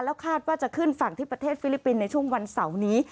คาดว่าจะขึ้นฝั่งที่ประเทศฟิลิปปินส์ในช่วงวันเสาร์นี้